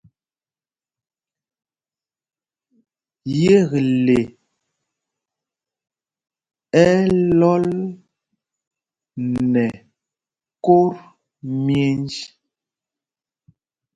Yekle ɛ́ ɛ́ lɔl nɛ kot myenj.